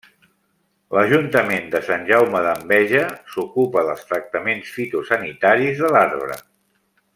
L'Ajuntament de Sant Jaume d'Enveja s'ocupa dels tractaments fitosanitaris de l'arbre.